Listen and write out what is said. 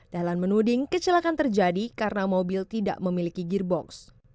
dahlan menuding kecelakaan terjadi karena mobil tidak memiliki gearbox